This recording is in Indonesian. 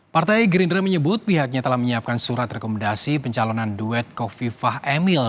partai gerindra menyebut pihaknya telah menyiapkan surat rekomendasi pencalonan duet kofifah emil